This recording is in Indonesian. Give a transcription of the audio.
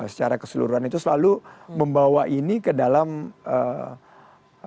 secara keseluruhan itu selalu membawa ini ke dalam ee